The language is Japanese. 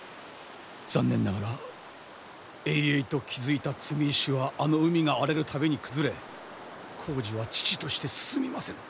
残念ながら営々と築いた積み石はあの海が荒れる度に崩れ工事は遅々として進みませぬ。